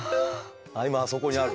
今あそこにある。